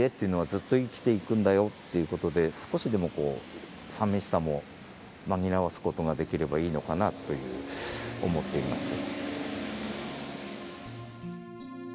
ずっと生きていくんだよっていうことで少しでもこう寂しさも紛らわすことができればいいのかなという思っています。